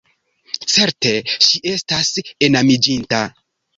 Certe ŝi estas enamiĝinta.